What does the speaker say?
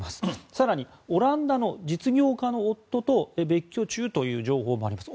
更に、オランダの実業家の夫と別居中という情報もあります。